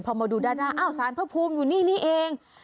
พอมาดูด้านหน้าอ้าวสารพระภูมิอยู่นี่นี่เอง